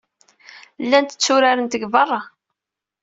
Llant tturaren deg beṛṛa.